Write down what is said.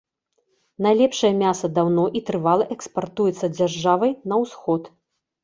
Найлепшае мяса даўно і трывала экспартуецца дзяржавай на ўсход.